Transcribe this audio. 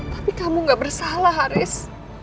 tapi kamu gak bersalah haris